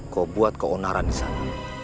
kau buat keonaran di sana